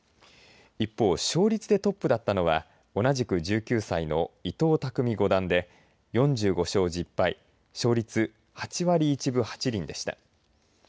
一方、勝率でトップだったのは同じく１９歳の伊藤匠五段で４５勝１０敗勝率８割１分８厘でした。